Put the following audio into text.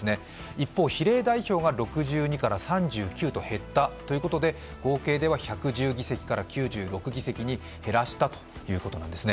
一方、比例代表が６２から３９へと減ったということで合計では１１０議席から９６議席に減らしたということなんですね。